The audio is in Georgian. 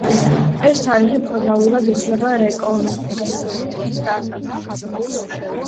ეს თარიღი ფორმალურად ითვლება რეკონკისტის დასაწყისად.